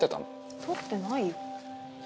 取ってないよ。